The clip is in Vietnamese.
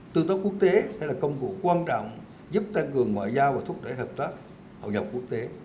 tương tác quốc tế sẽ là công cụ quan trọng giúp tăng cường ngoại giao và thúc đẩy hợp tác hậu nhập quốc tế